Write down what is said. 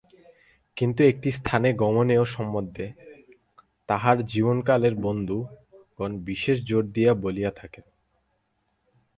কিন্তু একটি স্থানে গমনের সম্বন্ধে তাঁহার যৌবনকালের বন্ধুগণ বিশেষ জোর দিয়া বলিয়া থাকেন।